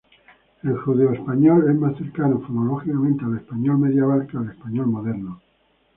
El judeoespañol es más cercano fonológicamente al español medieval que al español moderno.